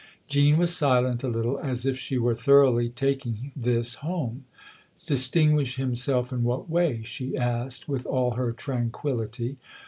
Jean was silent a little, as if she were thoroughly taking this home. " Distinguish himself in what way ?" she asked with all her tranquillity.